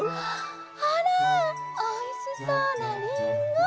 あらおいしそうなりんご。